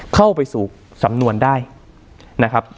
เข้าไปสู่สำนวนได้นะครับ